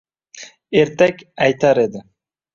ertak aytar edi.